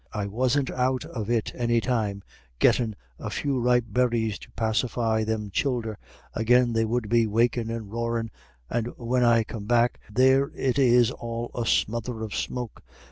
I wasn't out of it any time, gettin' a few ripe berries to pacify them childer, agin they would be wakin' and roarin', and when I come back, there it is all a smother of smoke.